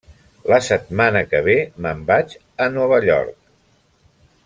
La setmana que ve me'n vaig a Nova York.